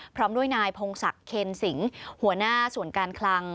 พร้อมด้วยนายพงศักดิ์เคนสิงหัวหน้าส่วนการคลัง